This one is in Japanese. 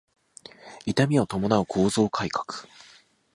痛みを伴う構造改革